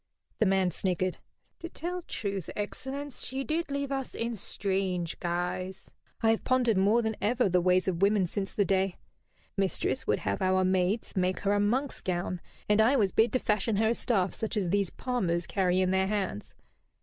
The man sniggered. "To tell truth, excellence, she did leave us in strange guise. I have pondered more than ever upon the ways of women since the day. Mistress would have our maids make her a monk's gown, and I was bid to fashion her a staff such as these palmers carry in their hands.